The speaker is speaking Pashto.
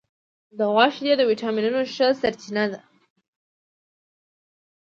د غوا شیدې د وټامینونو ښه سرچینه ده.